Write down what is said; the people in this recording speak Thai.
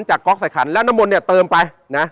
ก๊อกใส่ขันแล้วน้ำมนต์เนี่ยเติมไปนะ